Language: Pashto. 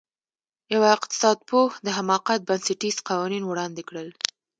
یوه اقتصادپوه د حماقت بنسټیز قوانین وړاندې کړل.